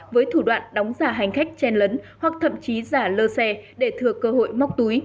với thủ đoạn đóng giả hành khách chen lấn hoặc thậm chí giả lơ xe để thừa cơ hội móc túi